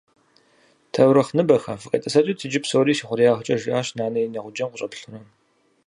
«Таурыхъныбэхэ, фӏыкъетӏысӏэкӏыт иджы псори си хъуреягъкӏэ»,- жиӏащ нэнэ и нэгъуджэм къыщӏэплъурэ.